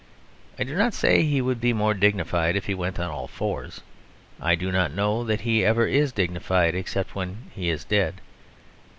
I do not say he would be more dignified if he went on all fours; I do not know that he ever is dignified except when he is dead.